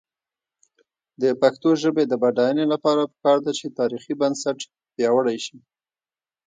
د پښتو ژبې د بډاینې لپاره پکار ده چې تاریخي بنسټ پیاوړی شي.